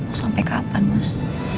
mau sampai kapan mas